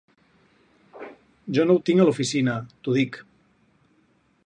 Jo no ho tinc a l’oficina, t’ho dic.